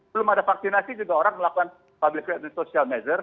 belum ada vaksinasi juga orang melakukan public righted social measures